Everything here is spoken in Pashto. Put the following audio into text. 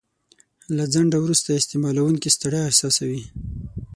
له ځنډه وروسته استعمالوونکی ستړیا احساسوي.